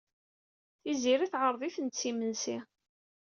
Tiziri teɛreḍ-iten-d s imensi.